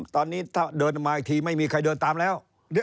ตอนนี้ถ้าเดินมาอีกทีไม่มีใครเดินตามแล้ว